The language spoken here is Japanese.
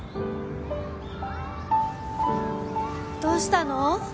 どうしたの？